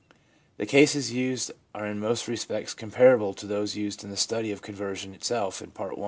The cases used are in most respects comparable to those used in the study of conversion itself in Part I.